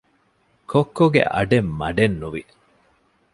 ކޮއްކޮގެ އަޑެއް މަޑެއްނުވި